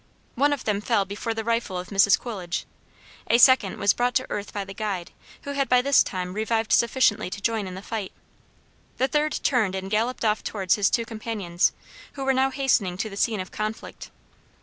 One of them fell before the rifle of Mrs. Coolidge. A second was brought to earth by the guide, who had by this time revived sufficiently to join in the fight. The third turned and galloped off towards his two companions, who were now hastening to the scene of conflict.